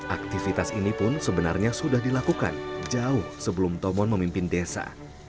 aktivitas ini pun sebenarnya sudah dilakukan jauh sebelum tomon memimpin desa